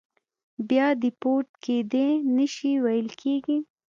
بیا دیپورت کېدای نه شي ویل کېږي.